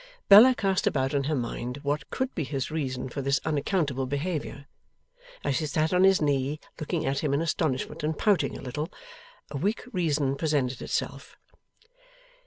Bella cast about in her mind what could be his reason for this unaccountable behaviour; as she sat on his knee looking at him in astonishment and pouting a little. A weak reason presented itself.